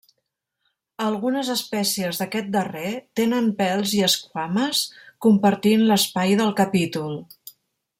Algunes espècies d'aquest darrer tenen pèls i esquames compartint l'espai del capítol.